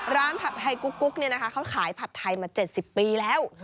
ผัดไทยกุ๊กเนี่ยนะคะเขาขายผัดไทยมา๗๐ปีแล้ว